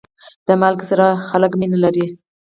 د مالګې سره خلک مینه لري.